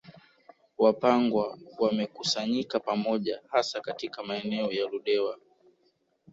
Wapangwa wamekusanyika pamoja hasa katika maeneo ya Ludewa